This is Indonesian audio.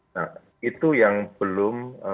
nah itu yang belum